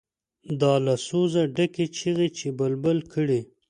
دا له سوزه ډکې چیغې چې بلبل کړي.